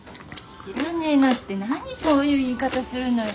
知らねえなって何そういう言い方するのよ。